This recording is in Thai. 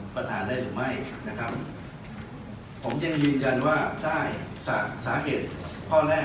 แต่ทหารได้หรือไม่นะครับผมชื่อว่าได้สังเกตภาคแรก